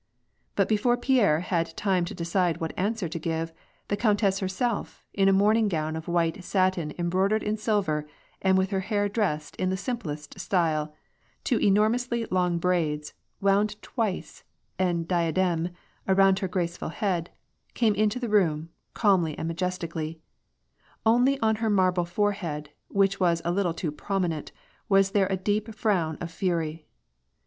But before Pierre had time to decide what answer to give, the countess herself, in a morning gown of white satin em> broidered in silver, and with her hair dressed in the simplest style — two enormously long braids wound twice, en diademey around her graceful head — came into the room calmly and majestically ; only on her marble forehead, which was a little too prominent, there was a deep frown of fury.